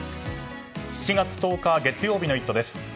７月１０日月曜日の「イット！」です。